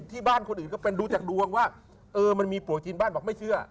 ที่บ้านคนอื่นก็เป็นดูจากดวงว่าเออมันมีป่วยจีนบ้านบอกไม่เชื่อ